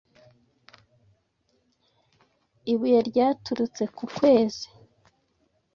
Ibuye ryaturutse ku kwezi